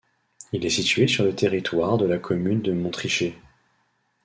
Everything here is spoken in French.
Il est situé sur le territoire de la commune de Montricher.